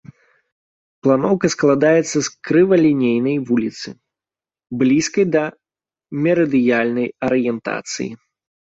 Планоўка складаецца з крывалінейнай вуліцы, блізкай да мерыдыянальнай арыентацыі.